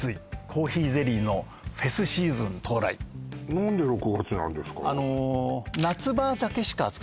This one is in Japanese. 何で６月なんですか？